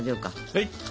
はい！